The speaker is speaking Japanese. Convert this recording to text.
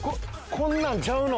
こんなんちゃうの？